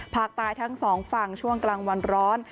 ภาคใต้ทั้งสองฝั่งช่วงกลางวันร้อน